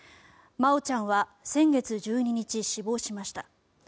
真愛ちゃんは先月１２日、死亡しました。